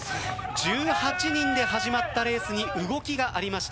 １８人で始まったレースに動きがありました。